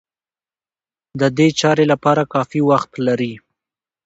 د دې چارې لپاره کافي وخت لري.